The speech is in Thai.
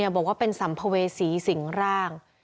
บอกว่าเป็นสัมภเวษีสิงร่าง